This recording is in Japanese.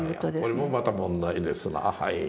これもまた問題ですなはい。